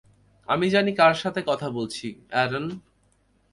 আমি জানি কার সাথে কথা বলছি, অ্যারন।